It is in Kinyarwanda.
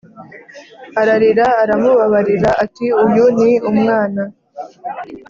ararira Aramubabarira ati Uyu ni umwana